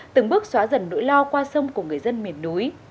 từng bước xóa dần nỗi lo qua sông của người dân miền núi